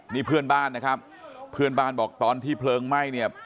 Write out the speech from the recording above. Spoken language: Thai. นี่เพื่อนบ้านนะครับเพื่อนบ้านบอกตอนที่เพลิงไหม้เนี่ย